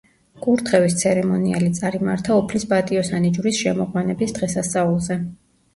კურთხევის ცერემონიალი წარიმართა უფლის პატიოსანი ჯვრის შემოყვანების დღესასწაულზე.